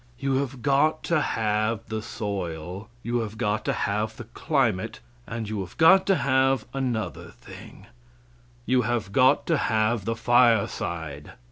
You have got to have the soil; you have got to have the climate, and you have got to have another thing you have got to have the fireside.